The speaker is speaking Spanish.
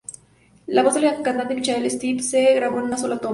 La voz del cantante Michael Stipe se grabó en una sola toma.